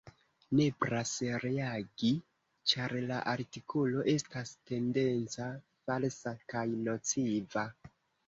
Nepras reagi, ĉar la artikolo estas tendenca, falsa kaj nociva.